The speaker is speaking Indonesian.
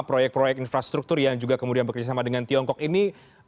proyek proyek infrastruktur yang juga kemudian bekerjasama dengan tiongkok ini